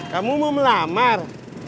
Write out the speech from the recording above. kamu mau melamar